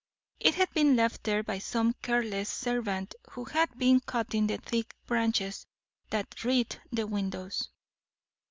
It had been left there by some careless servant who had been cutting the thick branches that wreathed the windows.